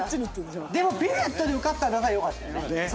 でもピルエットで受かったんだからよかったよね。